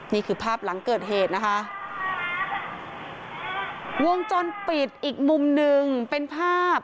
นี่คือภาพหลังเกิดเหตุนะคะวงจรปิดอีกมุมหนึ่งเป็นภาพ